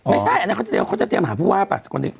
ไม่ใช่อันนั้นเขาจะเตรียมหาผู้ว่าป่ะสกนที